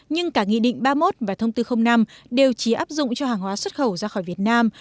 nhưng cả nghị định ba mươi một và thông tư năm đều chỉ áp dụng cho hàng hóa xuất khẩu ra khỏi việt nam